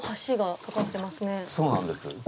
そうなんです。